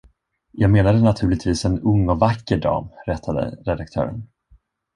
Jag menade naturligtvis en ung och vacker dam, rättade redaktören.